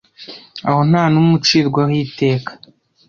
aho nta n’umwe ucirwaho iteka